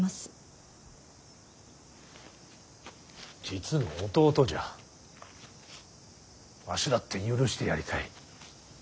実の弟じゃわしだって許してやりたい。